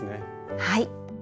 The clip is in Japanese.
はい。